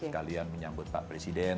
kalian menyambut pak presiden